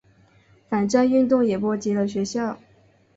反战运动也波及了学校。